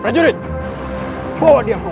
prajurit bawa dia keluar